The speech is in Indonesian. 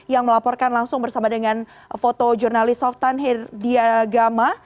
yang melaporkan langsung bersama dengan foto jurnalis softan herdiagama